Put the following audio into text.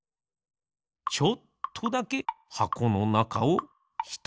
ちょっとだけはこのなかをひとくふう。